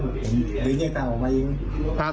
เดี๋ยวเนี่ยกลับออกมาเอง